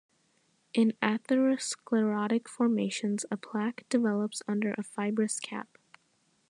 In atherosclerotic formations, a plaque develops under a fibrous cap.